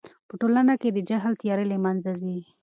په ټولنه کې د جهل تیارې له منځه ځي.